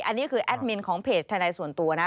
อันนี้คือแอดมินของเพจทนายส่วนตัวนะ